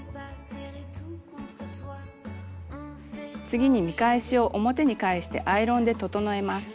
次に見返しを表に返してアイロンで整えます。